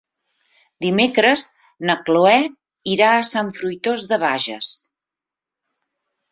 Dimecres na Cloè irà a Sant Fruitós de Bages.